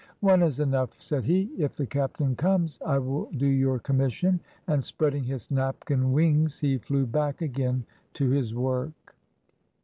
"One is enough," said he. "If the captain comes I will do your commission." And spreading his napkin wings he flew back again to his work.